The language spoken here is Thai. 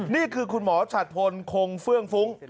นี่คือคุณหมอฉัดพลคงเฟื่องฟุ้ง